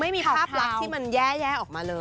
คือไม่มีภาพรับที่มันแย้ออกมาเลย